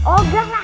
oh nggak lah